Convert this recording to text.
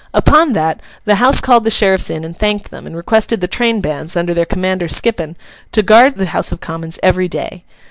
Upon that, the House called the sheriffs in and thanked them, and requested the train bands, under their commander Skippon, to guard the House of Commons every day.